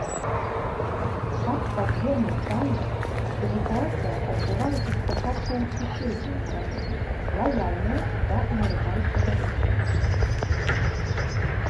Каб пазбегнуць панікі эвакуацыя адбывалася спачатку ў суседнія краіны, лаяльныя да амерыканскага рэжыму.